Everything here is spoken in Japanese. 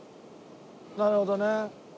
なるほどね。